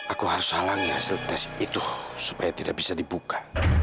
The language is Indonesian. aku harus halangi hasil tes itu supaya tidak bisa dibuka